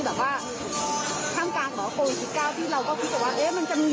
มันจะมีหรือไม่มี